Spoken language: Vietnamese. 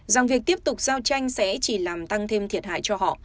rằng việc tiếp tục giao tranh sẽ chỉ làm tăng thêm thiệt hại cho họ